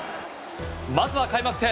まずは開幕戦。